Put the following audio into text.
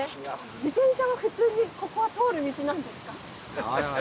自転車は普通にここは通る道なんですか？